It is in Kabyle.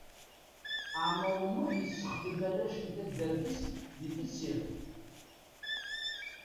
Ɛmer Umuḥ yessexdam arrac n taddart-is di tessirt.